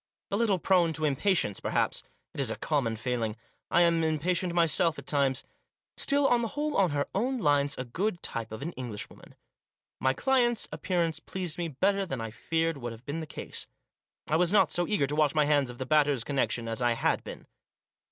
A little prone to impatience, perhaps ; it is a common failing. I am impatient myself at times. Still, on the whole, on her own lines, a good type of an Englishwoman. My client's appearance pleased me better than I feared would have been the case. I was not so eager to wash my hands of the Batters' connection as I had been.